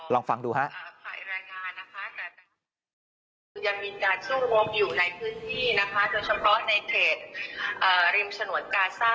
ลองฟังดูฮะ